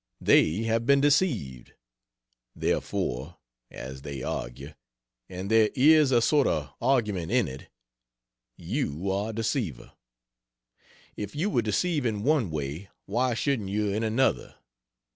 They have been deceived; therefore, (as they argue and there is a sort of argument in it,) you are a deceiver. If you will deceive in one way, why shouldn't you in another?